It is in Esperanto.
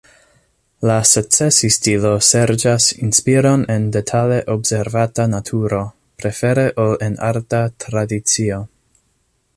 La "Secesi-stilo" serĉas inspiron en detale observata naturo, prefere ol en arta tradicio.